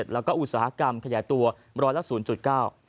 แล้วก็อุตสาหกรรมขยายตัวร้อยละ๐๙